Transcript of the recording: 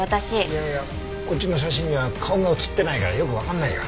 いやいやこっちの写真には顔が映ってないからよくわかんないよ。